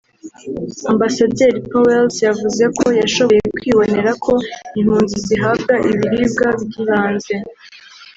Ambasaderi Pauwels yavuze ko yashoboye kwibonera ko impunzi zihabwa ibiribwa by’ibanze